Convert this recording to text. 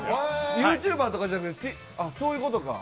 ユーチューバーとかじゃなくて、そういうことか。